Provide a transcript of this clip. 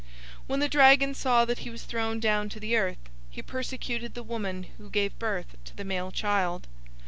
012:013 When the dragon saw that he was thrown down to the earth, he persecuted the woman who gave birth to the male child.